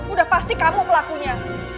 udah pasti kamu pelakunya